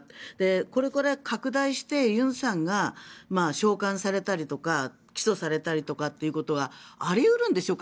これから拡大してユンさんが召喚されたりとか起訴されたりとかということはあり得るんでしょうか。